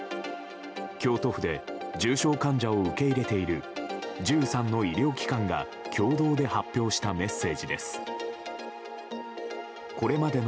京都府で重症患者を受け入れている１３の医療機関が共同で発表したメッセージです。